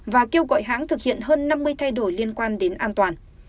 và kêu gọi hãng thực hiện hơn năm mươi thay đổi liên quan đến an toàn